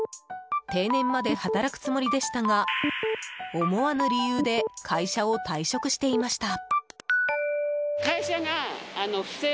定年まで働くつもりでしたが思わぬ理由で会社を退職していました。